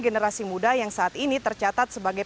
generasi muda yang saat ini tercatat sebagai